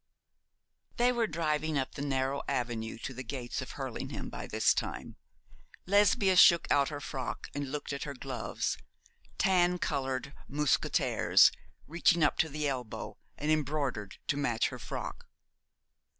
They were driving up the narrow avenue to the gates of Hurlingham by this time. Lesbia shook out her frock and looked at her gloves, tan coloured mousquetaires, reaching up to the elbow, and embroidered to match her frock.